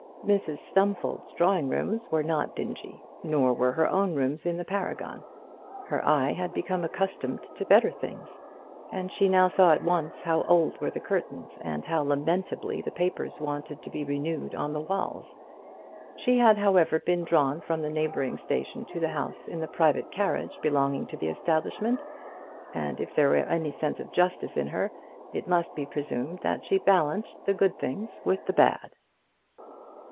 Mrs Stumfold's drawing rooms were not dingy, nor were her own rooms in the Paragon. Her eye had become accustomed to better things, and she now saw at once how old were the curtains, and how lamentably the papers wanted to be renewed on the walls. She had, however, been drawn from the neighbouring station to the house in the private carriage belonging to the establishment, and if there was any sense of justice in her, it must be presumed that she balanced the good things with the bad.